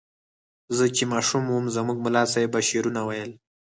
زه چې ماشوم وم زموږ ملا صیب به شعرونه ویل.